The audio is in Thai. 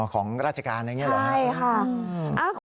ของราชการอย่างนี้เหรอครับใช่ค่ะ